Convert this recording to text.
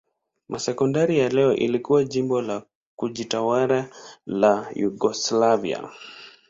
Masedonia ya leo ilikuwa jimbo la kujitawala la Yugoslavia.